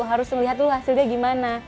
harus melihat dulu hasilnya gimana